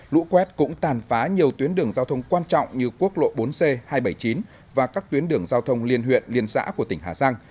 lũ quét cũng tàn phá nhiều tuyến đường giao thông quan trọng như quốc lộ bốn c hai trăm bảy mươi chín và các tuyến đường giao thông liên huyện liên xã của tỉnh hà giang